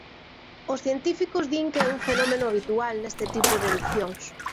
Os científicos din que é un fenómeno habitual neste tipo de erupcións.